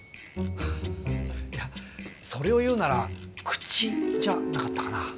ハハハいやそれを言うなら口じゃなかったかな。